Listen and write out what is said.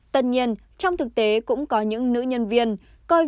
tất nhiên trong thực tế cũng có những nữ nhân viên coi việc uống rượu